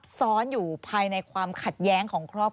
ควิทยาลัยเชียร์สวัสดีครับ